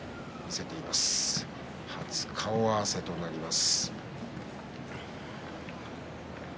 初顔合わせとなります。